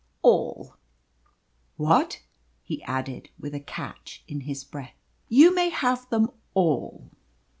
"All." "What?" he added, with a catch in his breath. "You may have them all."